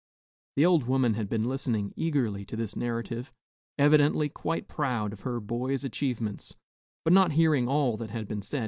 The old woman had been listening eagerly to this narrative, evidently quite proud of her boy's achievements, but not hearing all that had been said.